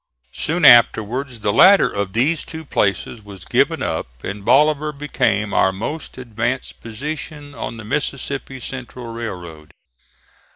Soon afterwards the latter of these two places was given up and Bolivar became our most advanced position on the Mississippi Central railroad.